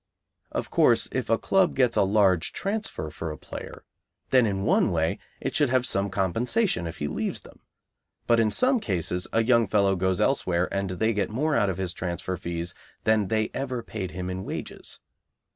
Of course, if a club gets a large transfer for a player, then in one way it should have some compensation if he leaves them, but in some cases a young fellow goes elsewhere and they get more out of his transfer fees than they ever paid him in wages.